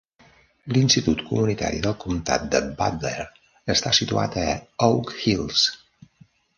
L'institut comunitari del comtat de Butler està situat a Oak Hills.